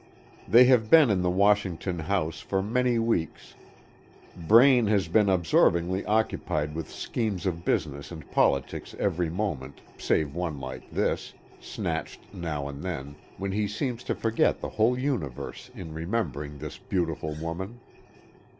They have been in the Washington house for many weeks. Braine has been absorbingly occupied with schemes of business and politics every moment, save one like this, snatched now and then, when he seems to forget the whole universe in remembering this beautiful woman.